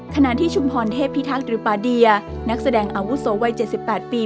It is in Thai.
ขณะที่ชุมพรเทพิทักษ์หรือปาเดียนักแสดงอาวุโสวัย๗๘ปี